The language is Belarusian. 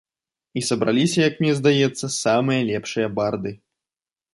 І сабраліся, як мне здаецца, самыя лепшыя барды.